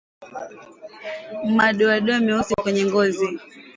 Madoadoa meusi kwenye ngozi